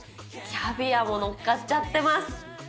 キャビアものっかっちゃってます。